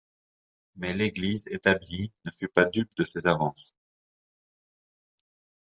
Mais l'Église établie ne fut pas dupe de ces avances.